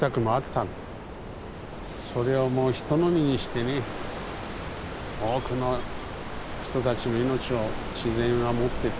それをもうひとのみにしてね多くの人たちの命を自然はもっていったし。